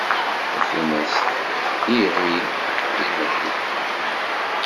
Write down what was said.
Tafunast: iɣi, imɣi.